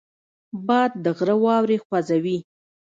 باد د غره واورې خوځوي